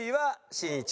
しんいち！